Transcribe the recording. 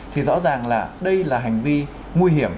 thì rõ ràng là đây là hành vi nguy hiểm